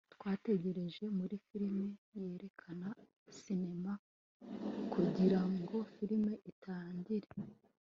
twategereje muri firime yerekana sinema kugirango film itangire